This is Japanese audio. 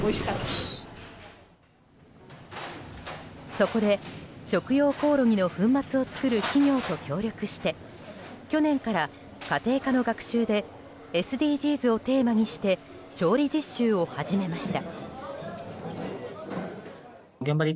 そこで、食用コオロギの粉末を作る企業と協力して去年から家庭科の学習でＳＤＧｓをテーマにして調理実習を始めました。